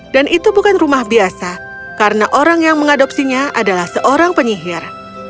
dan itu bukan rumah biasa karena orang yang mengadopsinya adalah seorang penyihir